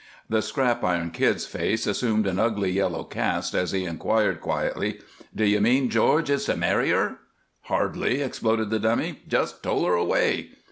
The Scrap Iron Kid's face assumed an ugly yellow cast as he inquired, quietly, "D'you mean George is to marry her?" "Hardly!" exploded the Dummy. "Just toll her away."